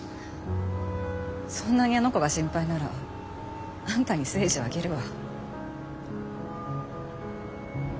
そんなにあの子が心配ならあんたに征二をあげるわ。